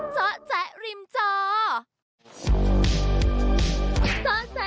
สวัสดีครับสวัสดีครับ